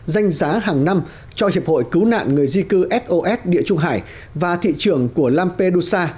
danh giá hàng năm cho hiệp hội cứu nạn người di cư sos địa trung hải và thị trường của lampedusa